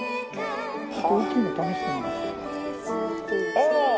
ああ！